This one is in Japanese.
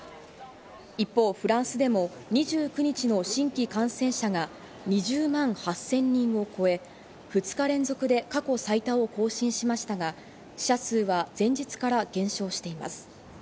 一方、フランスでも２９日の新規感染者が２０万８０００人を超え、２日連続で過去最多を更新しましたが、死者数は前日から減少しています。